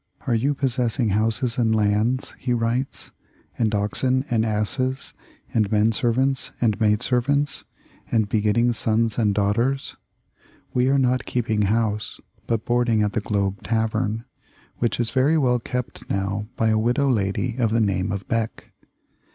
"Are you possessing houses and lands," he writes, "and oxen and asses and men servants and maid servants, and begetting sons and daughters? We are not keep ing house, but boarding at the Globe Tavern, which is very well kept now by a widow lady of the name of Beck.